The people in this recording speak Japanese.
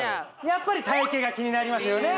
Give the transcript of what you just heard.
やっぱり体形が気になりますよね